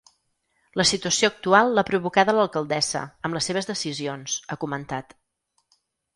La situació actual la provocada l’alcaldessa amb les seves decisions, ha comentat.